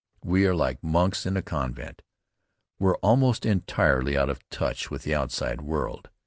We are like monks in a convent. We're almost entirely out of touch with the outside world.